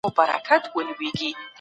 د قران لارښوونه په هر وخت کي ده.